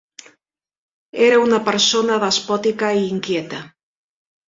Era una persona despòtica i inquieta.